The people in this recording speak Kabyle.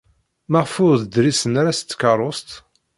Maɣef ur d-risen ara seg tkeṛṛust?